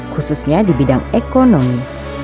khususnya di bidang ekonomi